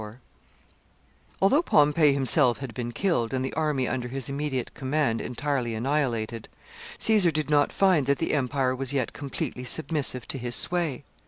] Although Pompey himself had been killed, and the army under his immediate command entirely annihilated, Caesar did not find that the empire was yet completely submissive to his sway.